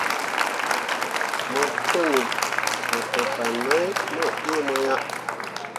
Mo kõoni mo te fah mai mu ɗii mo ah.